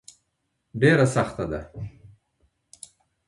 ډبره سخته ده.